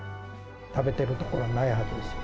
食べてるところはないはずですよ。